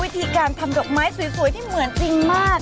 ทำดอกไม้สวยที่เหมือนจริงมาก